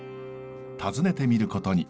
訪ねてみることに。